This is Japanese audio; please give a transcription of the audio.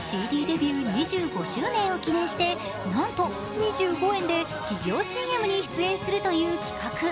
デビュー２５周年を記念してなんと２５円で企業ＣＭに出演するという企画。